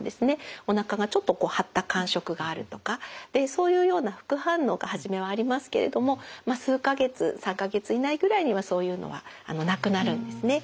おなかがちょっとこう張った感触があるとかそういうような副反応が初めはありますけれども数か月３か月以内ぐらいにはそういうのはなくなるんですね。